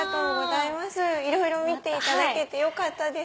いろいろ見ていただけてよかったです。